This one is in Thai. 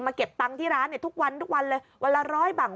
เก็บตังค์ที่ร้านเนี่ยทุกวันทุกวันเลยวันละร้อยบัง